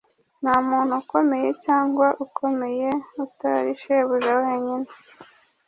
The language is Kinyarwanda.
nta muntu ukomeye cyangwa ukomeye utari shebuja wenyine